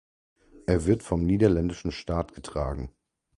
Er wird vom niederländischen Staat getragen.